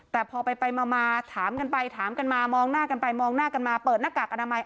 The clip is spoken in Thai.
แต่พอไปมาถามกันไปถามกันมามองหน้ากันไปมองหน้ากันมาเปิดหน้ากากอนามัย